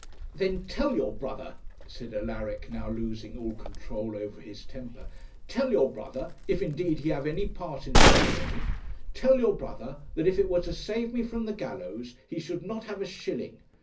'Then tell your brother,' said Alaric, now losing all control over his temper 'tell your brother, if indeed he have any part in this villany tell your brother that if it were to save me from the gallows, he should not have a shilling.